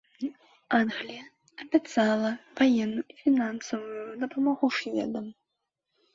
Англія абяцала ваенную і фінансавую дапамогу шведам.